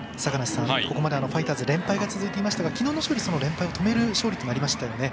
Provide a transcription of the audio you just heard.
ここまでファイターズ連敗が続いていましたが昨日、連敗を止める勝利となりましたよね。